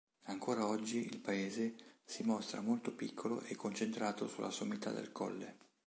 Ancora oggi il paese si mostra molto piccolo e concentrato sulla sommità del colle.